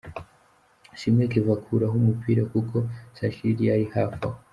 Ishimwe Kevin akuraho umupira kuko Shassir yari hafi aho.